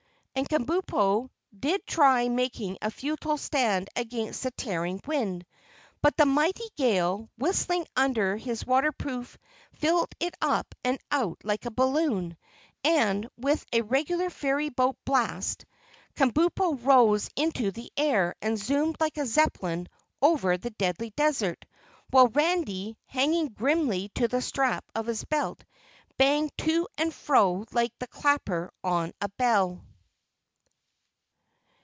And Kabumpo did try making a futile stand against the tearing wind. But the mighty gale, whistling under his waterproof filled it up and out like a balloon, and with a regular ferry boat blast, Kabumpo rose into the air and zoomed like a Zeppelin over the Deadly Desert, while Randy, hanging grimly to the strap of his belt, banged to and fro like the clapper on a bell.